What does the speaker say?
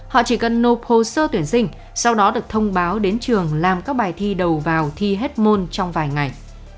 họ chỉ cần nộp hồ sơ tuyển sinh sau đó được thông báo đến trường làm các bài thi đầu vào thi hết môn trong vài ngày